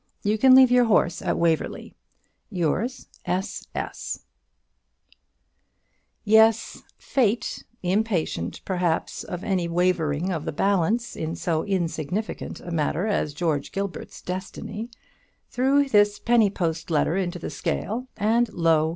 You can leave your horse at Waverly. Yours, S.S." Yes; Fate, impatient perhaps of any wavering of the balance in so insignificant a matter as George Gilbert's destiny, threw this penny post letter into the scale, and, lo!